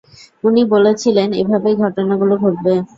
উনি বলেছিলেন, এভাবেই ঘটনাগুলো ঘটবে!